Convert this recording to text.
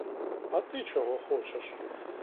А ти чого хочеш?